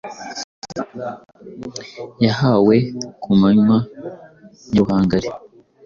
yahawe ku manywa nyaruhangari.